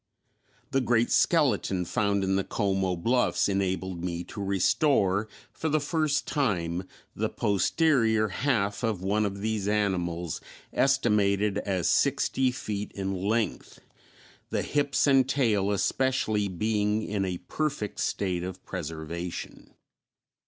The great skeleton found in the Como Bluffs enabled me to restore for the first time the posterior half of one of these animals estimated as sixty feet in length, the hips and tail especially being in a perfect state of preservation.